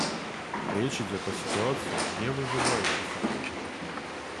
Речь идет о ситуации, не вызывающей сомнений.